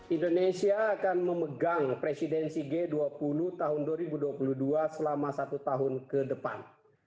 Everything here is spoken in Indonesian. indonesia akan memegang presidensi g dua puluh tahun dua ribu dua puluh dua selama satu tahun ke depan